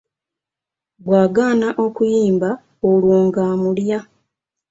Bw’agaana okuyimba olwo ng’amulya.